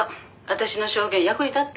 「私の証言役に立った？」